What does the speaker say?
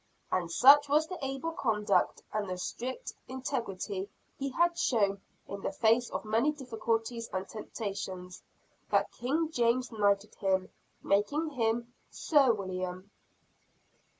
And such was the able conduct and the strict integrity he had shown in the face of many difficulties and temptations, that King James knighted him, making him Sir William.